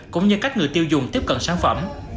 cũng như cách người tiêu dùng tiếp cận sản phẩm